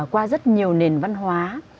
qua rất nhiều nền văn hóa